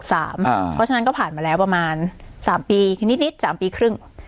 เพราะฉะนั้นก็ผ่านมาแล้วประมาณ๓ปีนิด๓ปีครึ่ง